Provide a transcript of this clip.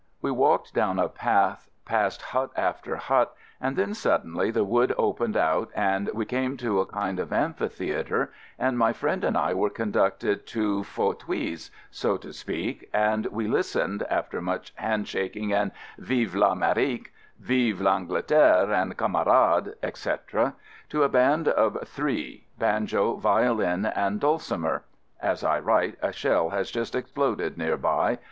We walked down a path past hut after hut, and then sud denly the wood opened out and we came to a kind of amphitheatre, and my friend and I were conducted to "fauteuils," so to speak, and we listened (after much hand shaking and "vive l'Amerique," "vive PAngleterre," and "camarades," etc.) to a band of three, banjo, violin, and dul cimer (as I write a shell has just exploded near by.